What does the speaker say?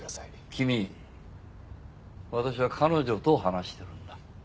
君私は彼女と話してるんだ。